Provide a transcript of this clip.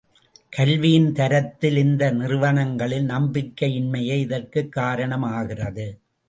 கல்வியின் தரத்தில் இந்த நிறுவனங்களில் நம்பிக்கை இன்மையே இதற்குக் காரணமாகிறது.